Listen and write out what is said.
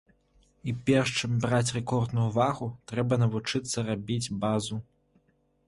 І перш чым браць рэкордную вагу, трэба навучыцца рабіць базу.